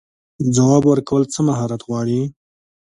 ځواب ورکول څه مهارت غواړي؟